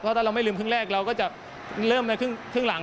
ถ้าเราไม่ลืมครึ่งแรกเราก็จะเริ่มในครึ่งหลัง